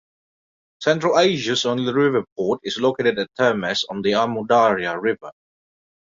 Central Asia's only river port is located at Termez on the Amudarya River.